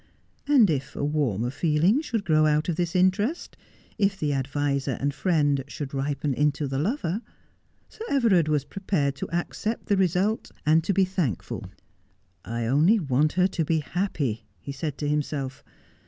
And if a warmer feeling should grow out of this interest, i'f the adviser and friend should ripen into the 26d Just as I Am. lover, Sir Everard was prepared to accept the result, and to be thankful. ' I only want her to be happy,' he said to himself.